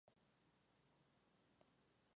Trabajó como profesora de gimnasia.